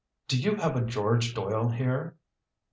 "Do you have a George Doyle here?"